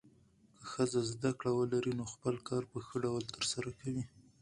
که ښځه زده کړه ولري، نو خپل کار په ښه ډول ترسره کوي.